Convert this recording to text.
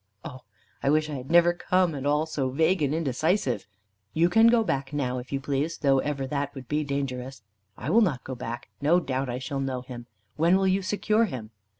"Oh! I wish I had never come; and all so vague and indecisive!" "You can go back now, if you please; though ever that would be dangerous." "I will not go back. No doubt I shall know him. When will you secure him?"